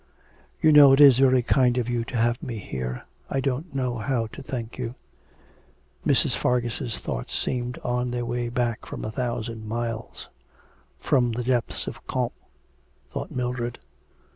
'You know it is very kind of you to have me here. I don't know how to thank you.' Mrs. Fargus' thoughts seemed on their way back from a thousand miles. 'From the depths of Comte,' thought Mildred.